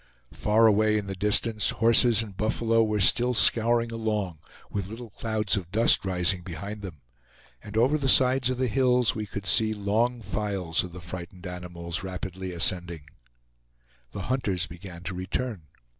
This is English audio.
Far away in the distance, horses and buffalo were still scouring along, with little clouds of dust rising behind them; and over the sides of the hills we could see long files of the frightened animals rapidly ascending. The hunters began to return.